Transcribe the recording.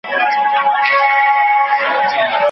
بریالیو خلکو خپله پوهه شریکه کړې ده.